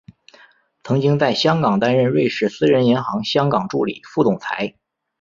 曾经在香港担任瑞士私人银行香港助理副总裁。